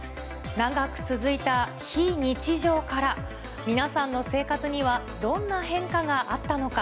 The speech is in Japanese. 長く続いた非日常から、皆さんの生活にはどんな変化があったのか。